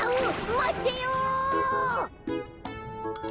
まってよ。